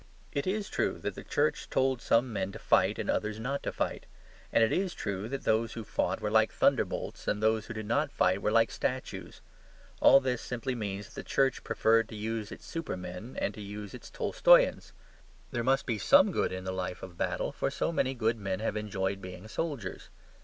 It IS true that the Church told some men to fight and others not to fight; and it IS true that those who fought were like thunderbolts and those who did not fight were like statues. All this simply means that the Church preferred to use its Supermen and to use its Tolstoyans. There must be SOME good in the life of battle, for so many good men have enjoyed being soldiers.